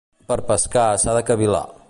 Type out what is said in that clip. Per pescar s'ha de cavil·lar.